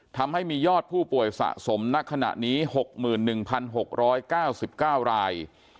ทำให้มียอดผู้ป่วยสะสมณขณะนี้๖๑๖๙๙ราย